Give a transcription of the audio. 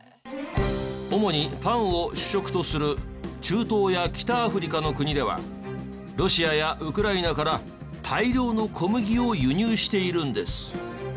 主にパンを主食とする中東や北アフリカの国ではロシアやウクライナから大量の小麦を輸入しているんです。